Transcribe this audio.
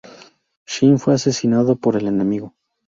Shin fue asesinado por el enemigo.